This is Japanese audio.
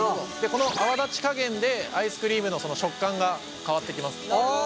この泡立ち加減でアイスクリームの食感が変わってきます。